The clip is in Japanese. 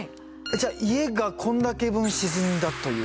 じゃあ家がこんだけ分沈んだという。